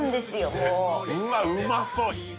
もううわうまそう